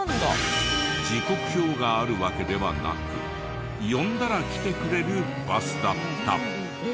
時刻表があるわけではなく呼んだら来てくれるバスだった。